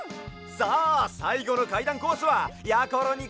さあさいごのかいだんコースはやころにかわってみもも！